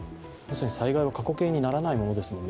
災害は過去形にならないですからね。